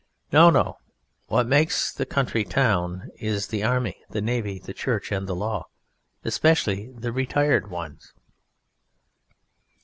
No, no; what makes the country town is the Army, the Navy, the Church, and the Law especially the retired ones.